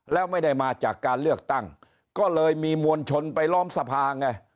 แล้วไม่ได้มาจากการเลือกตั้งก็เลยมีมวลชนไปล้อมสภาไง